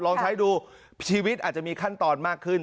ลองใช้ดูชีวิตอาจจะมีขั้นตอนมากขึ้น